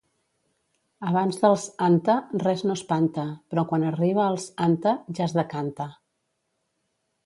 Abans dels «anta» res no espanta, però quan arriba als «anta» ja es decanta.